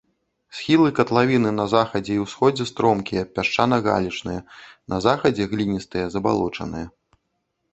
Схілы катлавіны на захадзе і ўсходзе стромкія, пясчана-галечныя, на захадзе гліністыя, забалочаныя.